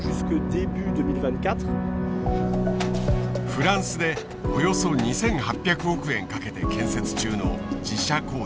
フランスでおよそ２，８００億円かけて建設中の自社工場。